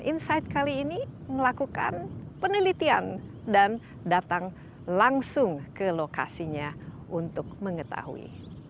insight kali ini melakukan penelitian dan datang langsung ke lokasinya untuk mengetahui